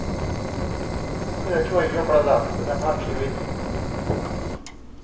เพื่อช่วยยกระดับคุณภาพชีวิต